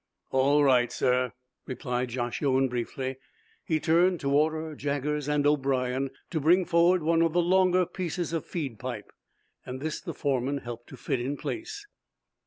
"All right, sir," replied Josh Owen, briefly. He turned to order Jaggers and O'brien to bring forward one of the longer pieces of feed pipe. This the foreman helped to fit in place.